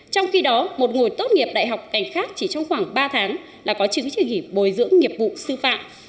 trong khi đó một người tốt nghiệp đại học cảnh khác chỉ trong khoảng ba tháng là có chứng chỉ bồi dưỡng nghiệp vụ sư phạm